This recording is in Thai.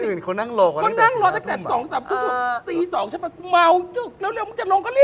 มึงคงเขาช็บกัน